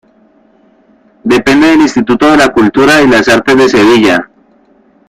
Depende del Instituto de la Cultura y las Artes de Sevilla.